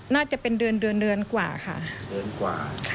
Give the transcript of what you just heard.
น่าจะเป็นเดือนกว่าค่ะ